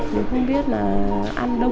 nhưng không biết là ăn đâu